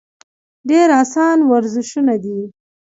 ډېر اسان ورزشونه دي -